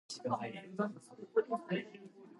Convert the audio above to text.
今朝ベッドの角に小指をぶつけました。